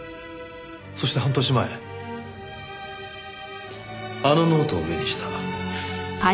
そして半年前あのノートを目にした。